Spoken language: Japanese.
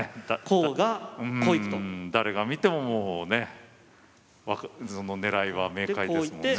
うん誰が見てももうねその狙いは明快ですもんね。